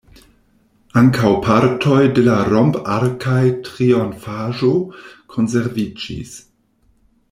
Ankaŭ partoj de la romp-arkaj trionfaĵo konserviĝis.